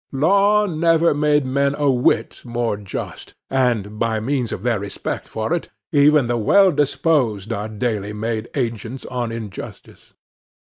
Law never made men a whit more just; and, by means of their respect for it, even the well disposed are daily made the agents of injustice.